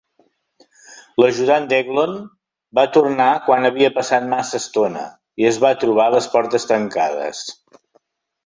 L'ajudant d'Eglon va tornar quan havia passat massa estona i es va trobar les portes tancades.